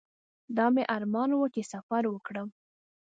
دا مې ارمان و چې سفر وکړم.